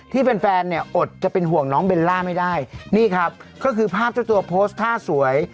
แฟนแฟนเนี่ยอดจะเป็นห่วงน้องเบลล่าไม่ได้นี่ครับก็คือภาพเจ้าตัวโพสต์ท่าสวย